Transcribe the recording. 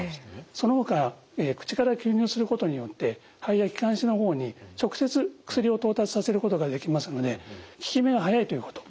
そのほか口から吸入することによって肺や気管支の方に直接薬を到達させることができますので効き目が早いということ。